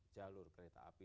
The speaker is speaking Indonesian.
jalur kereta api